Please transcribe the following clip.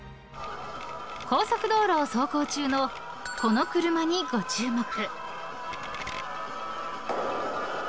［高速道路を走行中のこの車にご注目］